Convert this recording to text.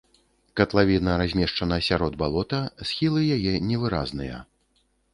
Катлавіна размешчана сярод балота, схілы яе невыразныя.